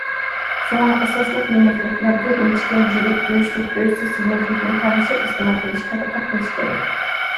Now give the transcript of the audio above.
شۇڭا، ئاساسلىق يېمەكلىكلەرگە ئىنچىكە، يىرىك، گۆشلۈك، گۆشسىز يېمەكلىكنى تەڭشەپ ئىستېمال قىلىشقا دىققەت قىلىش كېرەك.